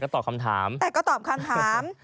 แต่ก็ตอบคำถาม